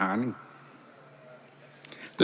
ปัญหานี้